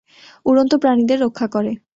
উড়ন্ত প্রাণীদের রক্ষা করে।